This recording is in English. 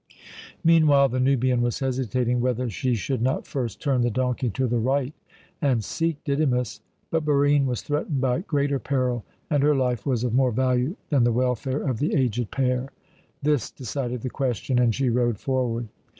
Meanwhile, the Nubian was hesitating whether she should not first turn the donkey to the right and seek Didymus; but Barine was threatened by greater peril, and her life was of more value than the welfare of the aged pair. This decided the question, and she rode forward.